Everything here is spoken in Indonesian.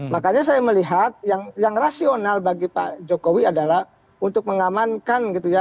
makanya saya melihat yang rasional bagi pak jokowi adalah untuk mengamankan gitu ya